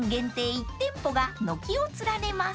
１店舗が軒を連ねます］